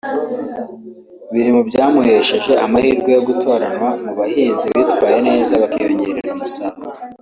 biri mu byamuhesheje amahirwe yo gutoranywa mu bahinzi bitwaye neza bakiyongerera umusaruro